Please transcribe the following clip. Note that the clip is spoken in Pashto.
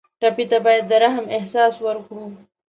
ټپي ته باید د رحم احساس ورکړو.